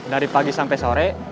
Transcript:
dari pagi sampai sore